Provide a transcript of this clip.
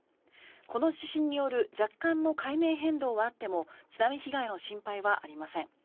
この地震による若干の海面変動はあっても津波被害の心配はありません。